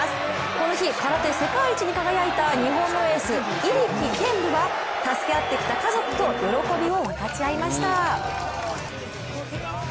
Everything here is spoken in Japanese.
この日、空手世界一に輝いた日本のエース入来健武は助け合ってきた家族と喜びを分かち合いました。